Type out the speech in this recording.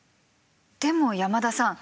でも山田さん！